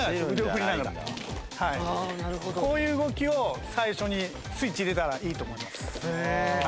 こういう動きを最初にスイッチ入れたらいいと思います。